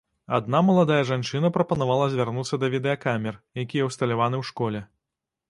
Адна маладая жанчына прапанавала звярнуцца да відэакамер, якія ўсталяваны ў школе.